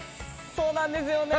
そうなんですよね。